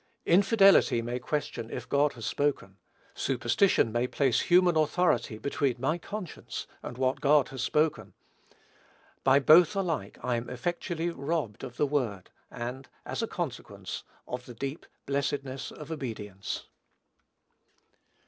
Infidelity may question if God has spoken; superstition may place human authority between my conscience and what God has spoken; by both alike I am effectually robbed of the word, and, as a consequence, of the deep blessedness of obedience.